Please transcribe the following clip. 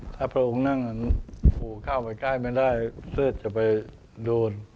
ถ้าพระองค์นั่งอันหูเข้าไปใกล้ไม่ได้เลือดจะไปโดน